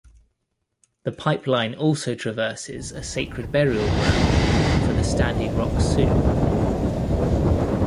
The pipeline also traverses a sacred burial ground for the Standing Rock Sioux.